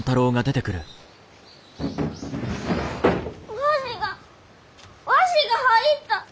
わしがわしが入った！